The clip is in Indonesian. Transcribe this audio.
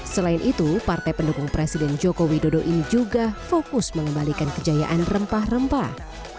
selain itu partai pendukung presiden jokowi dodoin juga fokus mengembalikan kejayaan rempah rempah